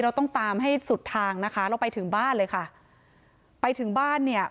เราต้องตามให้สุดทางนะคะเราไปถึงบ้านเลยค่ะไปถึงบ้านเนี่ย